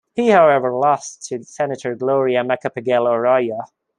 He however lost to Senator Gloria Macapagal-Arroyo.